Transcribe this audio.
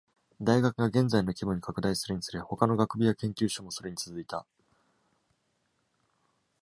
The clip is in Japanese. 大学が現在の規模に拡大するにつれ、他の学部や研究所もそれに続いた。